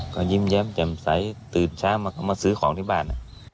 ก็ยิ้มแย้มแจ่มใสตื่นเช้ามาซื้อของที่บ้าน